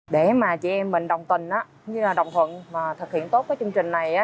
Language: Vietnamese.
để mà chị em mình đồng tình đồng phận và thực hiện tốt cái chương trình